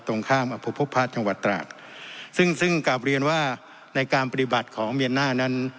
ตรงข้างอพมพบพรรถช่างวัดตรากซึ่งซึ่งก็เรียนว่าในการปฏิบัติของเมียนมาร์นั้น